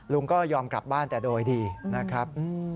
ลุงก็ยอมกลับบ้านแต่โดยดีนะครับ